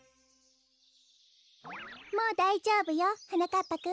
もうだいじょうぶよはなかっぱくん。